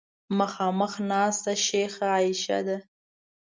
مخامخ ناسته شیخه عایشه ده.